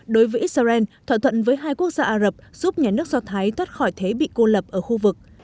đối với israel thỏa thuận với hai quốc gia ả rập giúp nhà nước do thái thoát khỏi thế bị cô lập ở khu vực